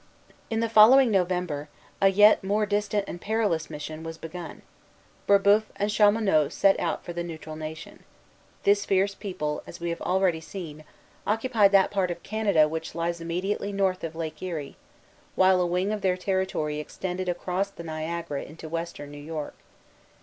In the following November, a yet more distant and perilous mission was begun. Brébeuf and Chaumonot set out for the Neutral Nation. This fierce people, as we have already seen, occupied that part of Canada which lies immediately north of Lake Erie, while a wing of their territory extended across the Niagara into Western New York.